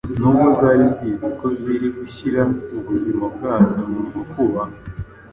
nubwo zari zizi ko ziri gushyira ubuzima bwazo mu makuba.